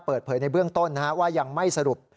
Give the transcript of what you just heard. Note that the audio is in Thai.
เปิดเผยในเบื้องต้นว่ายังไม่สรุป